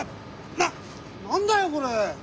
な何だよこれ！